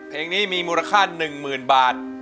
เพลงนี้มีมูลค่า๑หมื่นบาท